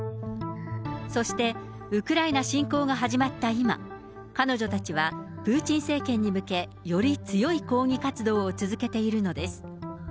そしてウクライナ侵攻が始まった今、彼女たちはプーチン政権に向け、より強い抗議活動を続けているのです。